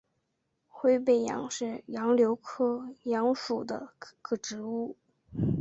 灰背杨是杨柳科杨属的植物。